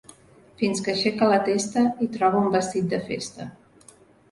Fins que aixeca la testa i troba un vestit de festa.